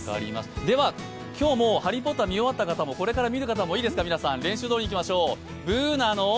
では、今日もう「ハリー・ポッター」見終わった人も、これから見る方もいいですか、皆さん練習どおりにいきましょう。